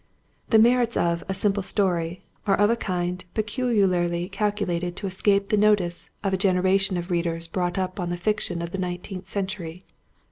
The merits of A Simple Story are of a kind peculiarly calculated to escape the notice of a generation of readers brought up on the fiction of the nineteenth century.